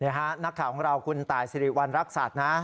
นักข่าวของเราคุณตายสิริวัณรักษัตริย์นะ